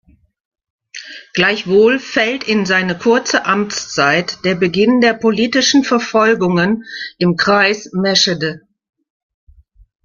Gleichwohl fällt in seine kurze Amtszeit der Beginn der politischen Verfolgungen im Kreis Meschede.